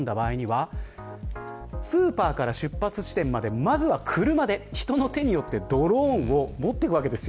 スーパーから出発地点までまずは車で、人の手によってドローンを持って行きます。